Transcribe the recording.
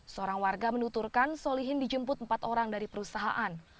seorang warga menuturkan solihin dijemput empat orang dari perusahaan